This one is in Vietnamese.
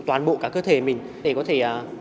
toàn bộ cả cơ thể mình để có thể